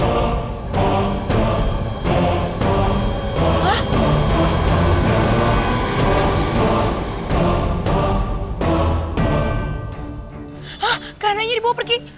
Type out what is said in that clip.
hah karenanya dibawa pergi